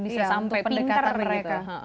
bisa sampai pindahkan mereka